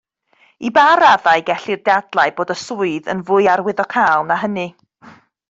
I ba raddau gellir dadlau bod y swydd yn fwy arwyddocaol na hynny